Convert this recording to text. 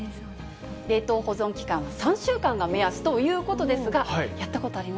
冷凍保存期間は３週間が目安ということですが、やったことありま